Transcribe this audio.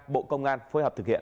bộ công an phối hợp thực hiện